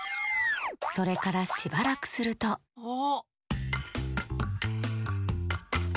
それからしばらくするとあ。